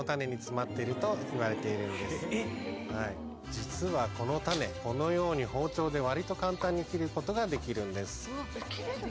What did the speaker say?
実はこの種このように包丁で割と簡単に切ることができるんです。